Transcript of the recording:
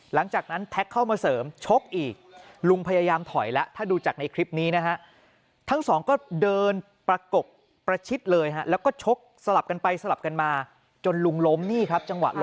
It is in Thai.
หลังจากนั้นแท็กเข้ามาเสริมชกอีกลุงพยายามถอยแล้วถ้าดูจากในคลิปนี้นะฮะ